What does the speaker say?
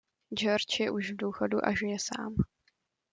Georg je už v důchodu a žije sám.